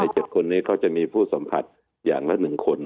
๗คนนี้เขาจะมีผู้สัมผัสอย่างละ๑คน